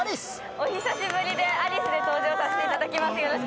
お久しぶりでアリスで登場させていただきます。